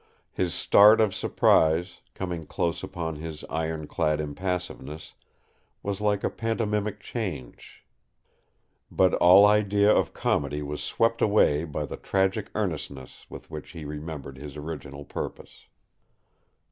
His start of surprise, coming close upon his iron clad impassiveness, was like a pantomimic change. But all idea of comedy was swept away by the tragic earnestness with which he remembered his original purpose.